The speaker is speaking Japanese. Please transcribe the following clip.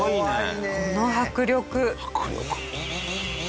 この迫力。